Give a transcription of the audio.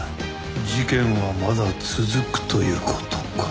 事件はまだ続くという事か。